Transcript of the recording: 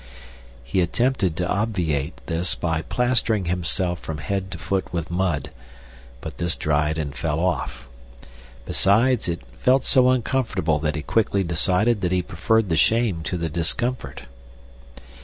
He attempted to obviate this by plastering himself from head to foot with mud, but this dried and fell off. Besides it felt so uncomfortable that he quickly decided that he preferred the shame to the discomfort.